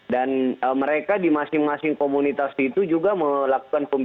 dan mereka di masing masing komunitas itu juga memiliki ikatan khotib